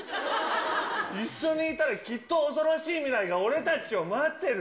一緒にいたら、きっと恐ろしい未来が俺たちを待ってる。